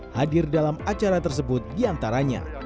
hadir dalam acara tersebut diantaranya